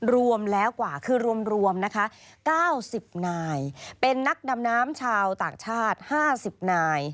รวมแล้วกว่าคือรวมนะคะ๙๐นายเป็นนักดำน้ำชาวต่างชาติ๕๐นาย